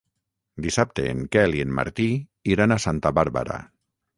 Dissabte en Quel i en Martí iran a Santa Bàrbara.